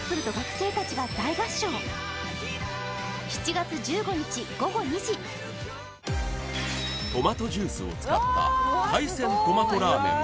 絶好調はぁトマトジュースを使った海鮮トマトラーメン